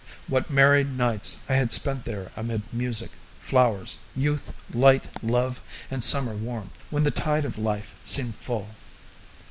What merry nights I had spent there amid music, flowers, youth, light, love, and summer warmth, when the tide of life seemed full!